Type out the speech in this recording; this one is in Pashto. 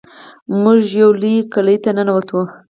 موږ یوې لویې قلعې ته ننوتو.